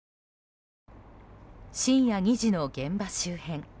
深夜２時の現場周辺。